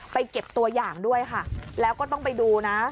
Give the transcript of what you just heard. เก็บตัวอย่างด้วยค่ะแล้วก็ต้องไปดูนะ